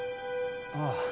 ああ。